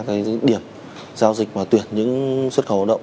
các sản các điểm giao dịch và tuyển những xuất hậu đậu